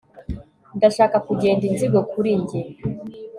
ndashaka kugenda. inzigo kuri njye